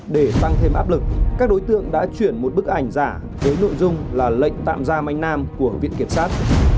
để tăng thêm áp lực các đối tượng đã chuyển một bức ảnh giả với nội dung là lệnh tạm giam anh nam của viện kiểm sát